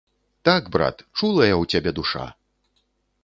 Так, брат, чулая ў цябе душа!